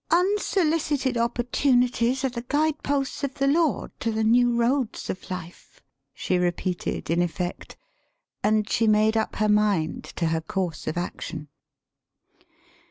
"Unsolicited opportunities are the guide posts of the Lord to the new roads of life," she repeated in effect, and she made up her mind to her course of action.